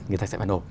người ta sẽ phải nổ